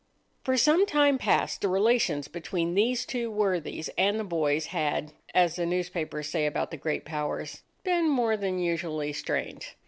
For some time past the relations between these two worthies and the boys had, as the newspapers say about the great Powers, been more than usually strained.